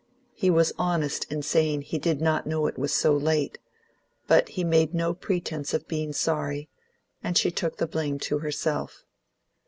He was honest in saying he did not know it was so late; but he made no pretence of being sorry, and she took the blame to herself.